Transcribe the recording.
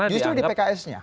justru di pks nya